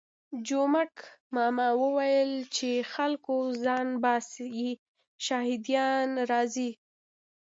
جومک ماما ویل چې خلکو ځان باسئ شهادیان راځي.